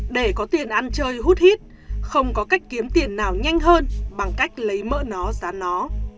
để có tiền ăn chơi hút hít không có cách kiếm tiền nào nhanh hơn bằng cách lấy mỡ nó dán nó